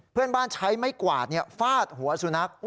เพื่อนบ้านใช้ไม่กวาดฟาดหัวสุนัข